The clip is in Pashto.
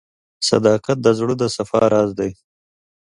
• صداقت د زړه د صفا راز دی.